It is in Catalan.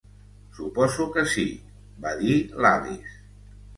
"Suposo que sí", va dir l'Alice.